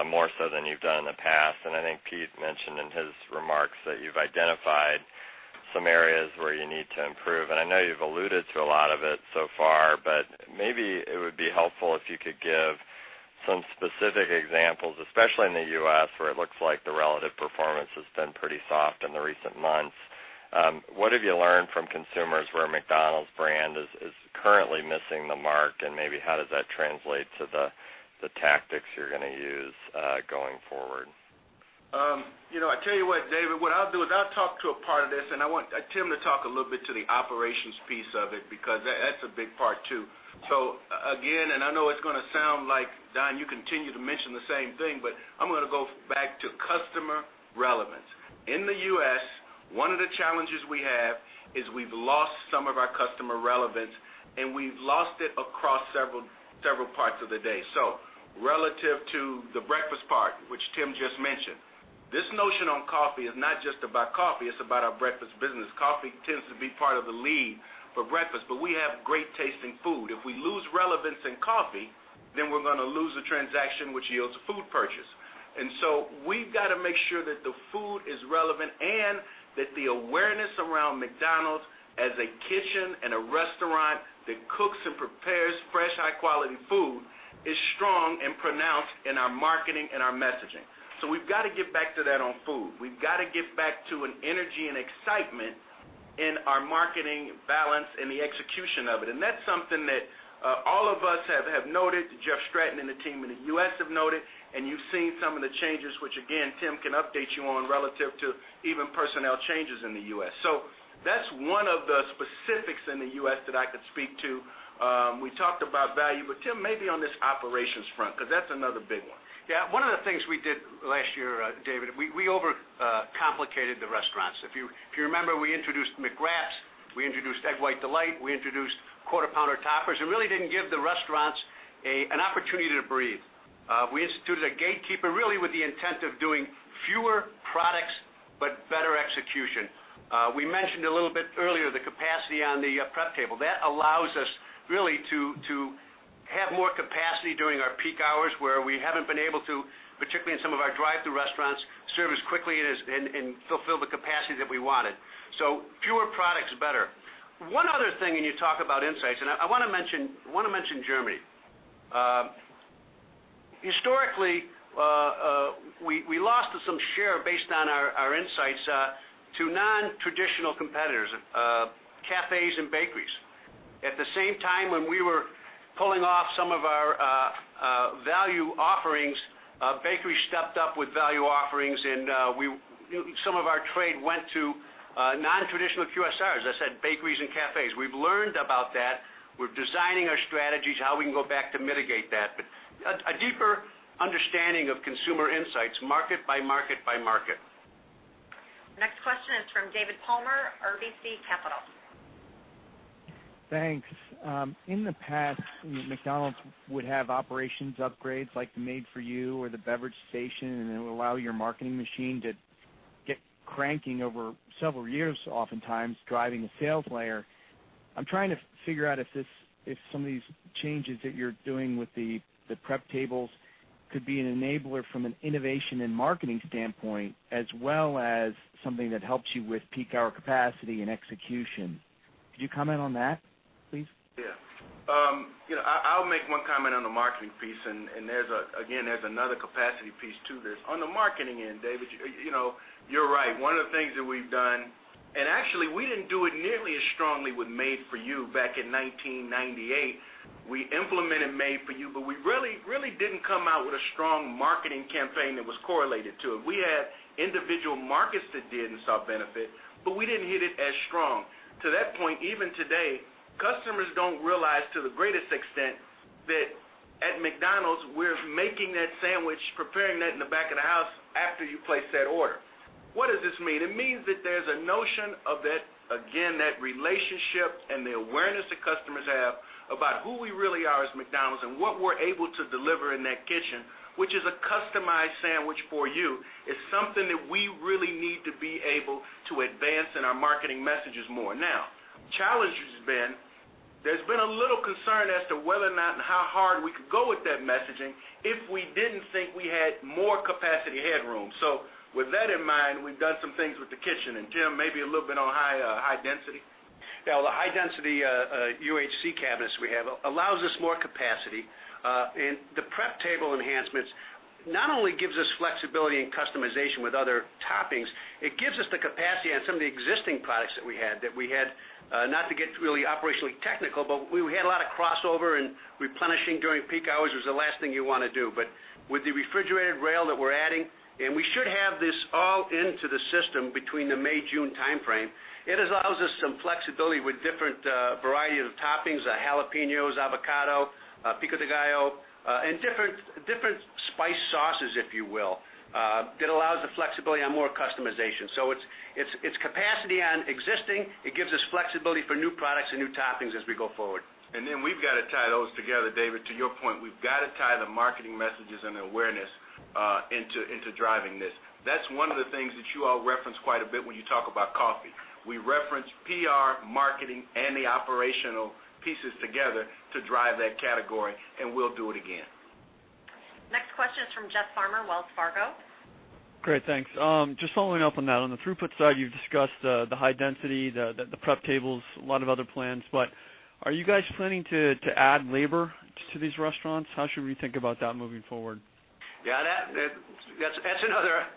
more so than you've done in the past. I think Pete mentioned in his remarks that you've identified some areas where you need to improve. I know you've alluded to a lot of it so far, but maybe it would be helpful if you could give some specific examples, especially in the U.S., where it looks like the relative performance has been pretty soft in the recent months. What have you learned from consumers where McDonald's brand is currently missing the mark, and maybe how does that translate to the tactics you're going to use going forward? I tell you what, David, what I'll do is I'll talk to a part of this, and I want Tim to talk a little bit to the operations piece of it, because that's a big part, too. Again, and I know it's going to sound like, Don, you continue to mention the same thing, but I'm going to go back to customer relevance. In the U.S., one of the challenges we have is we've lost some of our customer relevance, and we've lost it across several parts of the day. Relative to the breakfast part, which Tim just mentioned, this notion on coffee is not just about coffee, it's about our breakfast business. Coffee tends to be part of the lead for breakfast, but we have great tasting food. If we lose relevance in coffee, we're going to lose a transaction which yields a food purchase. We've got to make sure that the food is relevant and that the awareness around McDonald's as a kitchen and a restaurant that cooks and prepares fresh, high-quality food is strong and pronounced in our marketing and our messaging. We've got to get back to that on food. We've got to get back to an energy and excitement in our marketing balance and the execution of it. That's something that all of us have noted, Jeff Stratton and the team in the U.S. have noted, and you've seen some of the changes, which again, Tim can update you on relative to even personnel changes in the U.S. That's one of the specifics in the U.S. that I could speak to. We talked about value, Tim, maybe on this operations front, because that's another big one. Yeah. One of the things we did last year, David, we overcomplicated the restaurants. If you remember, we introduced McWraps, we introduced Egg White Delight, we introduced Quarter Pounder toppers, and really didn't give the restaurants an opportunity to breathe. We instituted a gatekeeper, really with the intent of doing fewer products but better execution. We mentioned a little bit earlier the capacity on the prep table. That allows us really to have more capacity during our peak hours where we haven't been able to, particularly in some of our drive-thru restaurants, serve as quickly and fulfill the capacity that we wanted. Fewer products better. You talk about insights, and I want to mention Germany. Historically, we lost some share based on our insights to non-traditional competitors, cafes, and bakeries. At the same time, when we were pulling off some of our value offerings, bakery stepped up with value offerings, some of our trade went to non-traditional QSRs. I said bakeries and cafes. We've learned about that. We're designing our strategies, how we can go back to mitigate that. A deeper understanding of consumer insights market by market by market. Next question is from David Palmer, RBC Capital. Thanks. In the past, McDonald's would have operations upgrades like Made For You or the beverage station, and it would allow your marketing machine to Get cranking over several years, oftentimes driving a sales layer. I'm trying to figure out if some of these changes that you're doing with the prep tables could be an enabler from an innovation and marketing standpoint, as well as something that helps you with peak hour capacity and execution. Could you comment on that, please? Yeah. I'll make one comment on the marketing piece, and there's again, another capacity piece to this. On the marketing end, David, you're right. One of the things that we've done, and actually, we didn't do it nearly as strongly with Made For You back in 1998. We implemented Made For You, but we really didn't come out with a strong marketing campaign that was correlated to it. We had individual markets that did and saw benefit, but we didn't hit it as strong. To that point, even today, customers don't realize to the greatest extent that at McDonald's, we're making that sandwich, preparing that in the back of the house after you place that order. What does this mean? It means that there's a notion of that, again, that relationship and the awareness that customers have about who we really are as McDonald's and what we're able to deliver in that kitchen, which is a customized sandwich for you. It's something that we really need to be able to advance in our marketing messages more. Challenge has been there's been a little concern as to whether or not and how hard we could go with that messaging if we didn't think we had more capacity headroom. With that in mind, we've done some things with the kitchen. Tim, maybe a little bit on high density. Well, the high-density UHC cabinets we have allows us more capacity. The prep table enhancements not only gives us flexibility and customization with other toppings, it gives us the capacity on some of the existing products that we had. Not to get really operationally technical, we had a lot of crossover, and replenishing during peak hours was the last thing you want to do. With the refrigerated rail that we're adding, and we should have this all into the system between the May, June timeframe, it allows us some flexibility with different variety of toppings, jalapenos, avocado, pico de gallo, and different spice sauces, if you will, that allows the flexibility on more customization. It's capacity on existing. It gives us flexibility for new products and new toppings as we go forward. We've got to tie those together, David, to your point. We've got to tie the marketing messages and the awareness into driving this. That's one of the things that you all reference quite a bit when you talk about coffee. We reference PR, marketing, and the operational pieces together to drive that category, and we'll do it again. Next question is from Jeff Farmer, Wells Fargo. Great, thanks. Just following up on that. On the throughput side, you've discussed the high density, the prep tables, a lot of other plans. Are you guys planning to add labor to these restaurants? How should we think about that moving forward? Yeah, that's another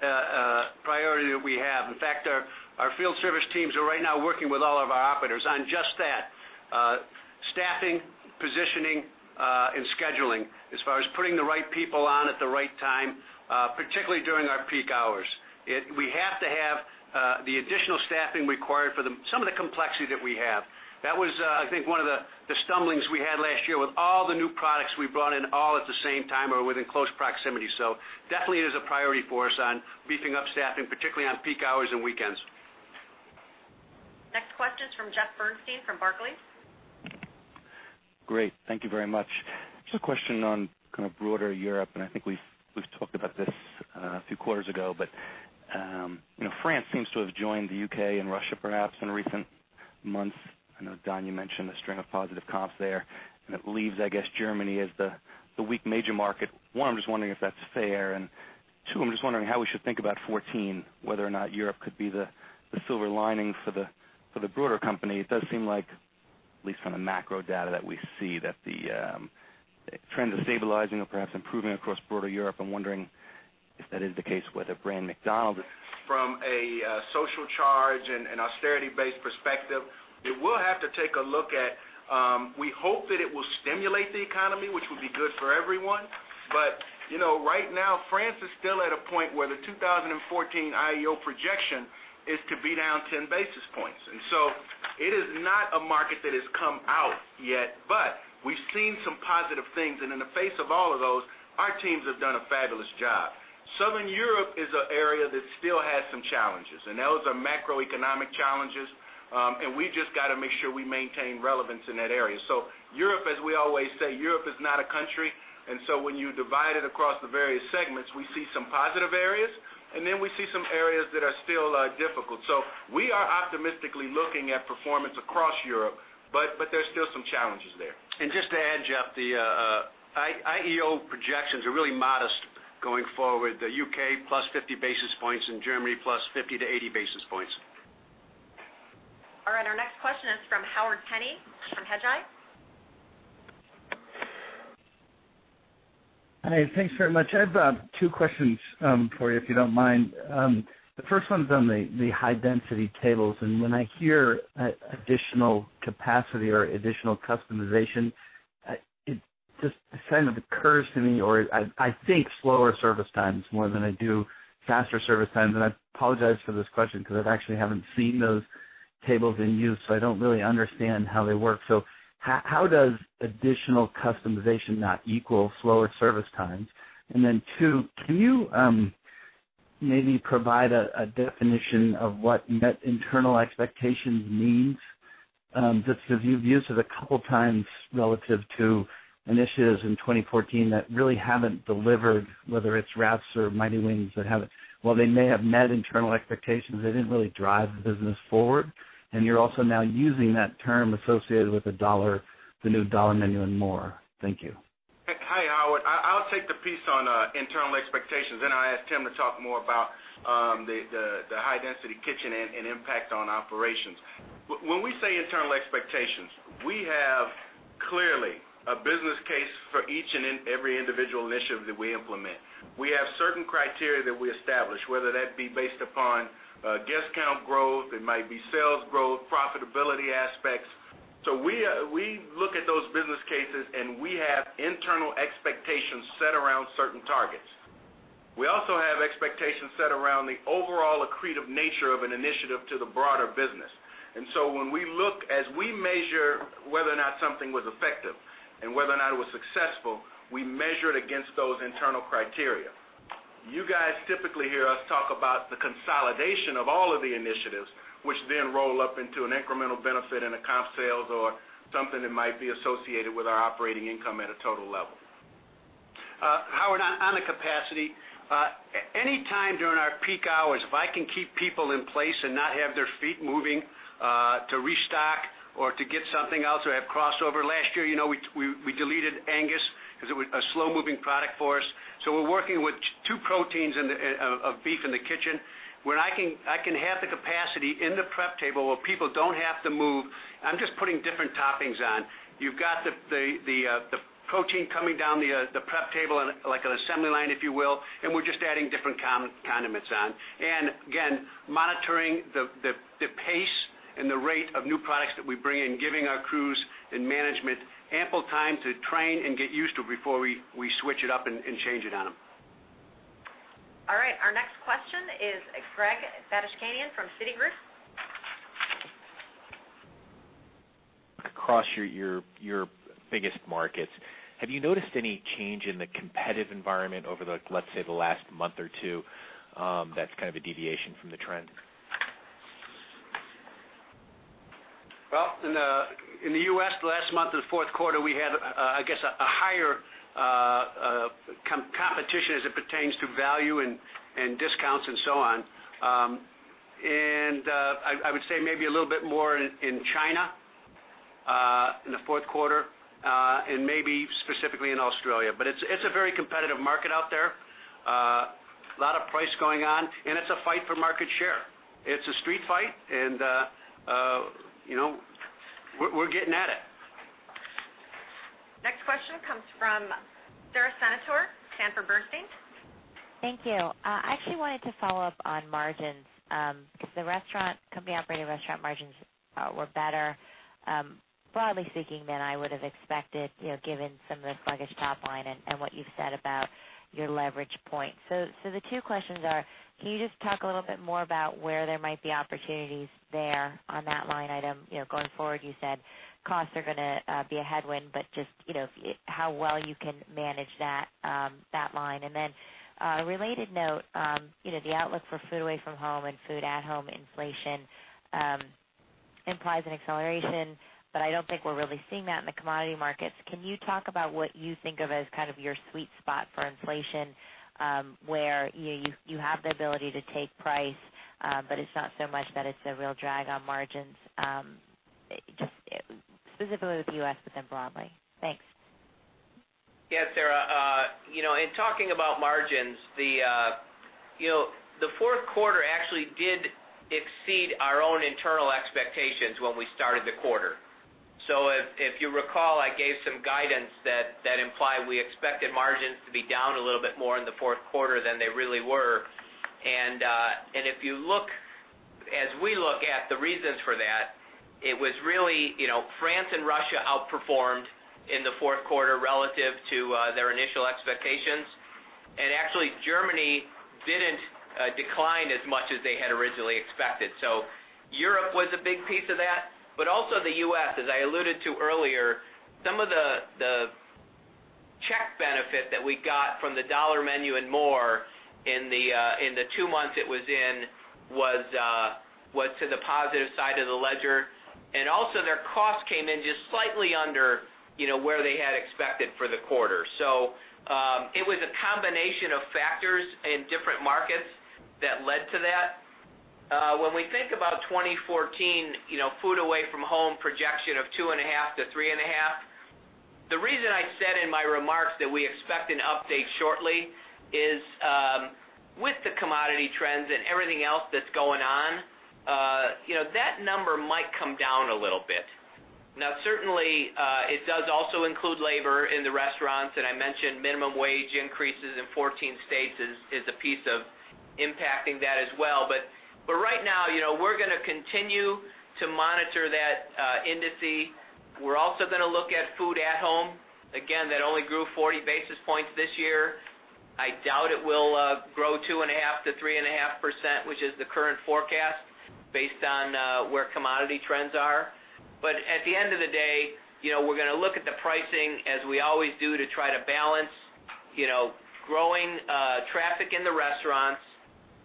priority that we have. In fact, our field service teams are right now working with all of our operators on just that: staffing, positioning, and scheduling as far as putting the right people on at the right time, particularly during our peak hours. We have to have the additional staffing required for some of the complexity that we have. That was, I think, one of the stumblings we had last year with all the new products we brought in all at the same time or within close proximity. Definitely, it is a priority for us on beefing up staffing, particularly on peak hours and weekends. Next question is from Jeffrey Bernstein from Barclays. Great. Thank you very much. Just a question on kind of broader Europe. I think we've talked about this a few quarters ago. France seems to have joined the U.K. and Russia perhaps in recent months. I know, Don, you mentioned a string of positive comps there. It leaves, I guess, Germany as the weak major market. One, I'm just wondering if that's fair, and two, I'm just wondering how we should think about 2014, whether or not Europe could be the silver lining for the broader company. It does seem like at least on the macro data that we see, that the trends are stabilizing or perhaps improving across broader Europe. I'm wondering if that is the case, whether brand McDonald's From a social charge and austerity-based perspective, we will have to take a look at, we hope that it will stimulate the economy, which will be good for everyone. Right now, France is still at a point where the 2014 IEO projection is to be down 10 basis points. It is not a market that has come out yet, but we've seen some positive things. In the face of all of those, our teams have done a fabulous job. Southern Europe is an area that still has some challenges, those are macroeconomic challenges. We've just got to make sure we maintain relevance in that area. Europe, as we always say, Europe is not a country. When you divide it across the various segments, we see some positive areas, then we see some areas that are still difficult. We are optimistically looking at performance across Europe, but there's still some challenges there. Just to add, Jeff, the IEO projections are really modest going forward. The U.K., plus 50 basis points, and Germany, plus 50 to 80 basis points. All right. Our next question is from Howard Penney from Hedgeye. Hi, thanks very much. I have two questions for you, if you don't mind. The first one's on the high-density tables, and when I hear additional capacity or additional customization, it just kind of occurs to me, or I think slower service times more than I do faster service times. I apologize for this question because I actually haven't seen those tables in use, so I don't really understand how they work. How does additional customization not equal slower service times? Two, can you maybe provide a definition of what met internal expectations means? Just because you've used it a couple times relative to initiatives in 2014 that really haven't delivered, whether it's wraps or Mighty Wings. While they may have met internal expectations, they didn't really drive the business forward. You're also now using that term associated with the new Dollar Menu & More. Thank you. Hi, Howard. I'll take the piece on internal expectations. I'll ask Tim to talk more about the high-density kitchen and impact on operations. When we say internal expectations, we have clearly a business case for each and every individual initiative that we implement. We have certain criteria that we establish, whether that be based upon guest count growth, it might be sales growth, profitability aspects. We look at those business cases, and we have internal expectations set around certain targets. We also have expectations set around the overall accretive nature of an initiative to the broader business. As we measure whether or not something was effective and whether or not it was successful, we measure it against those internal criteria. You guys typically hear us talk about the consolidation of all of the initiatives, which then roll up into an incremental benefit in a comp sales or something that might be associated with our operating income at a total level. Howard, on the capacity, any time during our peak hours, if I can keep people in place and not have their feet moving to restock or to get something else or have crossover. Last year, we deleted Angus because it was a slow-moving product for us. We're working with two proteins of beef in the kitchen. When I can have the capacity in the prep table where people don't have to move, I'm just putting different toppings on. You've got the protein coming down the prep table like an assembly line, if you will, and we're just adding different condiments on. Again, monitoring the pace and the rate of new products that we bring in, giving our crews and management ample time to train and get used to before we switch it up and change it on them. All right. Our next question is Gregory Badishkanian from Citi. Across your biggest markets, have you noticed any change in the competitive environment over the, let's say, the last month or two that's kind of a deviation from the trend? Well, in the U.S., the last month of the fourth quarter, we had, I guess, a higher competition as it pertains to value and discounts and so on. I would say maybe a little bit more in China in the fourth quarter and maybe specifically in Australia. It's a very competitive market out there. A lot of price going on, and it's a fight for market share. It's a street fight, and we're getting at it. Next question comes from Sara Senatore, Sanford C. Bernstein. Thank you. I actually wanted to follow up on margins because the company-operated restaurant margins were better, broadly speaking, than I would have expected given some of the sluggish top line and what you've said about your leverage point. The two questions are: Can you just talk a little bit more about where there might be opportunities there on that line item? Going forward, you said costs are going to be a headwind, but just how well you can manage that line. A related note, the outlook for food away from home and food at-home inflation implies an acceleration, but I don't think we're really seeing that in the commodity markets. Can you talk about what you think of as kind of your sweet spot for inflation, where you have the ability to take price but it's not so much that it's a real drag on margins, specifically with the U.S., but then broadly? Thanks. Yeah, Sara. In talking about margins, the fourth quarter actually did exceed our own internal expectations when we started the quarter. If you recall, I gave some guidance that implied we expected margins to be down a little bit more in the fourth quarter than they really were. As we look at the reasons for that, France and Russia outperformed in the fourth quarter relative to their initial expectations. Actually, Germany didn't decline as much as they had originally expected. Europe was a big piece of that. Also the U.S., as I alluded to earlier, some of the check benefit that we got from the Dollar Menu & More in the two months it was in was to the positive side of the ledger. Also their costs came in just slightly under where they had expected for the quarter. It was a combination of factors in different markets that led to that. When we think about 2014 food away from home projection of 2.5% to 3.5%, the reason I said in my remarks that we expect an update shortly is with the commodity trends and everything else that's going on, that number might come down a little bit. Certainly, it does also include labor in the restaurants, and I mentioned minimum wage increases in 14 states is a piece of impacting that as well. Right now, we're going to continue to monitor that index. We're also going to look at food at home. Again, that only grew 40 basis points this year. I doubt it will grow 2.5% to 3.5%, which is the current forecast based on where commodity trends are. At the end of the day, we're going to look at the pricing as we always do to try to balance growing traffic in the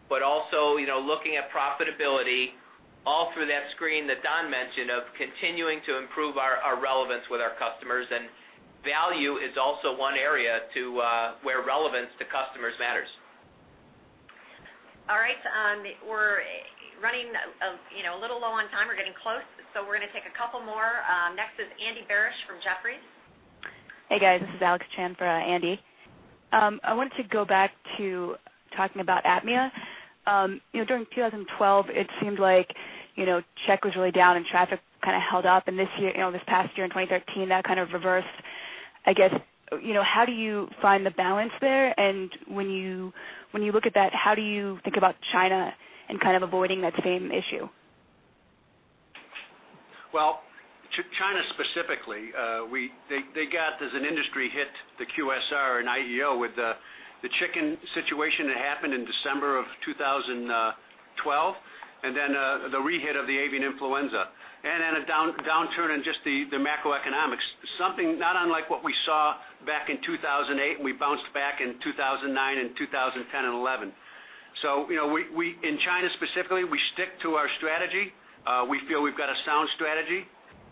rest. Looking at profitability all through that screen that Don mentioned of continuing to improve our relevance with our customers. Value is also one area where relevance to customers matters. All right. We're running a little low on time. We're getting close. We're going to take a couple more. Next is Andy Barish from Jefferies. Hey, guys. This is Alex Chan for Andy. I wanted to go back to talking about APMEA. During 2012, it seemed like check was really down and traffic kind of held up, and this past year in 2013, that kind of reversed, I guess. How do you find the balance there? When you look at that, how do you think about China and kind of avoiding that same issue? Well, China specifically, they got as an industry hit the QSR and IEO with the chicken situation that happened in December of 2012, then the re-hit of the avian influenza. Then a downturn in just the macroeconomics. Something not unlike what we saw back in 2008, and we bounced back in 2009 and 2010 and 2011. In China specifically, we stick to our strategy. We feel we've got a sound strategy.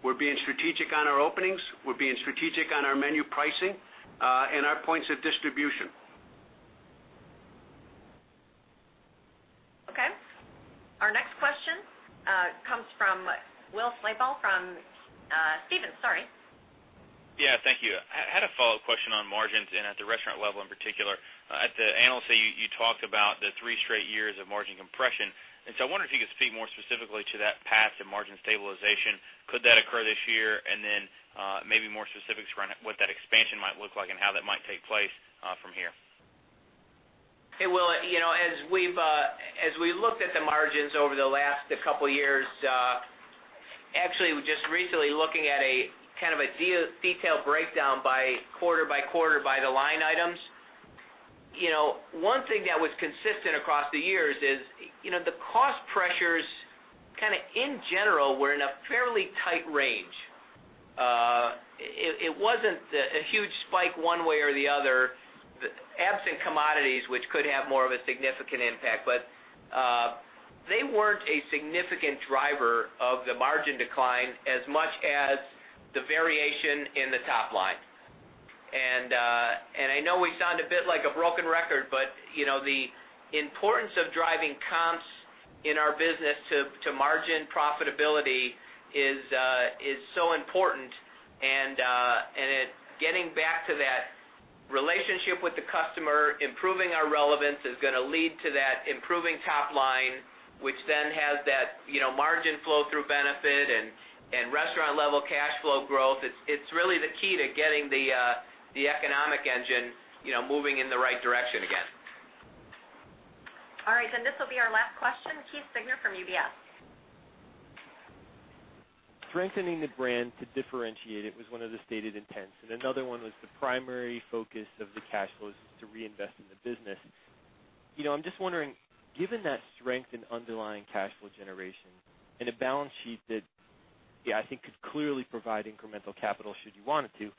We're being strategic on our openings, we're being strategic on our menu pricing, and our points of distribution. Okay. Our next question comes from Will Slabaugh from Stephens. Sorry. Yeah. Thank you. I had a follow-up question on margins and at the restaurant level in particular. At the analyst day, you talked about the three straight years of margin compression. I wonder if you could speak more specifically to that path to margin stabilization. Could that occur this year? Maybe more specifics around what that expansion might look like and how that might take place from here. Hey, Will Slabaugh. As we looked at the margins over the last couple of years, actually just recently looking at a kind of a detailed breakdown by quarter by quarter, by the line items. One thing that was consistent across the years is the cost pressures kind of in general were in a fairly tight range. It wasn't a huge spike one way or the other, absent commodities, which could have more of a significant impact. They weren't a significant driver of the margin decline as much as the variation in the top line. I know we sound a bit like a broken record, but the importance of driving comps in our business to margin profitability is so important. It getting back to that relationship with the customer, improving our relevance is going to lead to that improving top line, which then has that margin flow through benefit and restaurant level cash flow growth. It's really the key to getting the economic engine moving in the right direction again. All right, this will be our last question. Keith Siegner from UBS. Strengthening the brand to differentiate it was one of the stated intents, another one was the primary focus of the cash flows is to reinvest in the business. I'm just wondering, given that strength in underlying cash flow generation and a balance sheet that I think could clearly provide incremental capital should you want it to,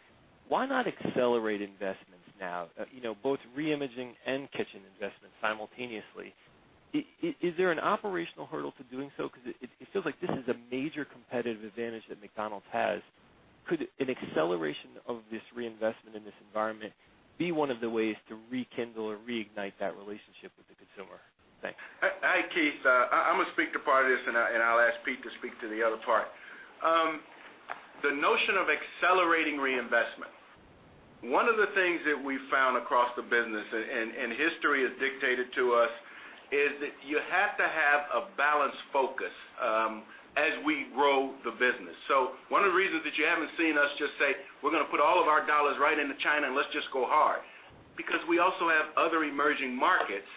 why not accelerate investments now, both reimaging and kitchen investments simultaneously? Is there an operational hurdle to doing so? It feels like this is a major competitive advantage that McDonald's has. Could an acceleration of this reinvestment in this environment be one of the ways to rekindle or reignite that relationship with the consumer? Thanks. Hi, Keith. I'm going to speak to part of this, and I'll ask Pete to speak to the other part. The notion of accelerating reinvestment. One of the things that we found across the business, and history has dictated to us, is that you have to have a balanced focus as we grow the business. One of the reasons that you haven't seen us just say, "We're going to put all of our dollars right into China and let's just go hard," because we also have other emerging markets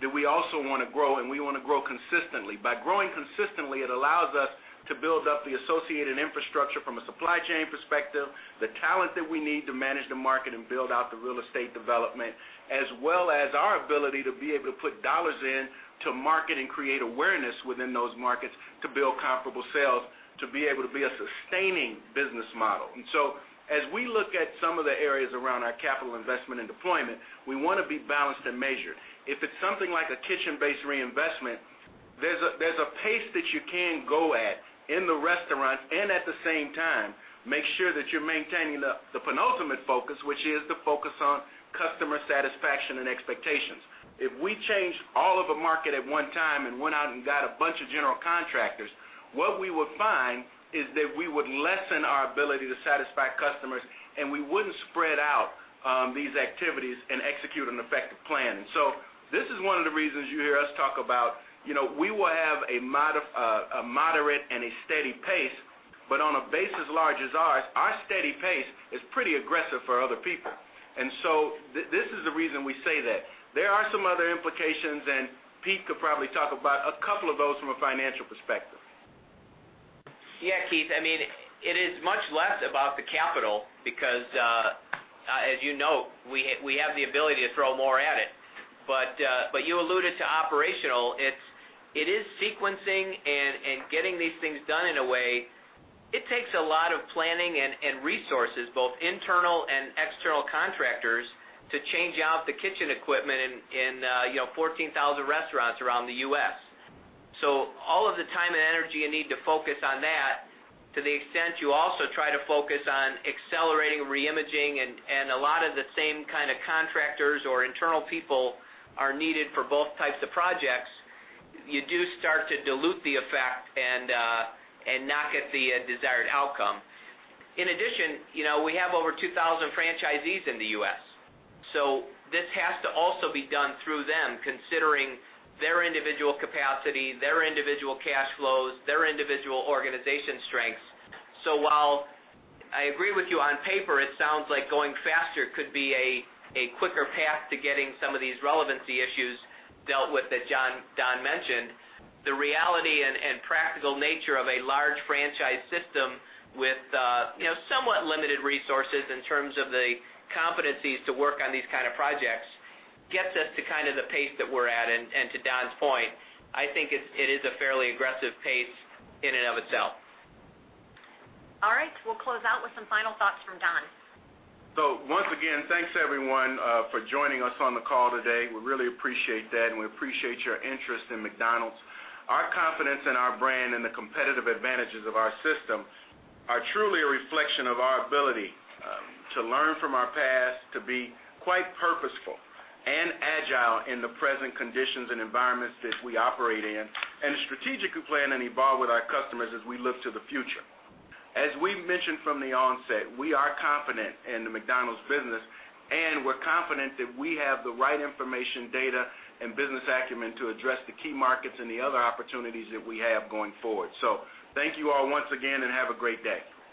that we also want to grow, and we want to grow consistently. By growing consistently, it allows us to build up the associated infrastructure from a supply chain perspective, the talent that we need to manage the market and build out the real estate development, as well as our ability to be able to put dollars in to market and create awareness within those markets to build comparable sales, to be able to be a sustaining business model. As we look at some of the areas around our capital investment and deployment, we want to be balanced and measured. If it's something like a kitchen-based reinvestment, there's a pace that you can go at in the restaurant and at the same time, make sure that you're maintaining the penultimate focus, which is the focus on customer satisfaction and expectations. If we change all of the market at one time and went out and got a bunch of general contractors, what we would find is that we would lessen our ability to satisfy customers, and we wouldn't spread out these activities and execute an effective plan. This is one of the reasons you hear us talk about we will have a moderate and a steady pace, but on a base as large as ours, our steady pace is pretty aggressive for other people. This is the reason we say that. There are some other implications, and Pete could probably talk about a couple of those from a financial perspective. Yeah, Keith. It is much less about the capital because, as you know, we have the ability to throw more at it. You alluded to operational. It is sequencing and getting these things done in a way. It takes a lot of planning and resources, both internal and external contractors, to change out the kitchen equipment in 14,000 restaurants around the U.S. All of the time and energy you need to focus on that, to the extent you also try to focus on accelerating re-imaging and a lot of the same kind of contractors or internal people are needed for both types of projects, you do start to dilute the effect and not get the desired outcome. In addition, we have over 2,000 franchisees in the U.S., so this has to also be done through them, considering their individual capacity, their individual cash flows, their individual organization strengths. While I agree with you, on paper, it sounds like going faster could be a quicker path to getting some of these relevancy issues dealt with, that Don mentioned. The reality and practical nature of a large franchise system with somewhat limited resources in terms of the competencies to work on these kind of projects, gets us to the pace that we're at. To Don's point, I think it is a fairly aggressive pace in and of itself. All right. We'll close out with some final thoughts from Don. Once again, thanks everyone for joining us on the call today. We really appreciate that, and we appreciate your interest in McDonald's. Our confidence in our brand and the competitive advantages of our system are truly a reflection of our ability to learn from our past, to be quite purposeful and agile in the present conditions and environments that we operate in, and strategically plan and evolve with our customers as we look to the future. As we mentioned from the onset, we are confident in the McDonald's business, and we're confident that we have the right information, data, and business acumen to address the key markets and the other opportunities that we have going forward. Thank you all once again, and have a great day.